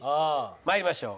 参りましょう。